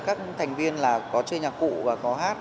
các thành viên là có chơi nhạc cụ và có hát